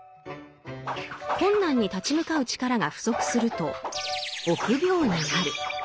困難に立ち向かう力が不足すると「臆病」になる。